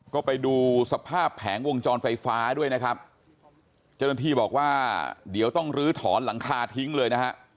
ก็ไปดูสภาพแผงวงจรไฟฟ้าด้วยนะครับเจ้าหน้าที่บอกว่าเดี๋ยวต้องลื้อถอนหลังคาทิ้งเลยนะฮะ